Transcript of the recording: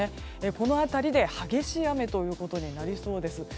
この辺りで激しい雨ということになりそうです。